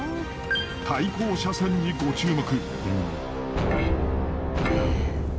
対向車線にご注目。